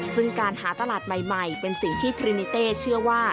ซึ่งการหาตลาดใหม่เป็นสิ่งที่ทรินิเต้เชื่อว่า